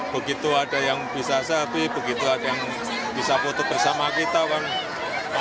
begitu ada yang bisa selfie begitu ada yang bisa foto bersama kita kan